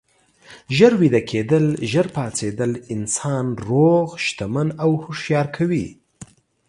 ژر ویده کیدل، ژر پاڅیدل انسان روغ، شتمن او هوښیار کوي.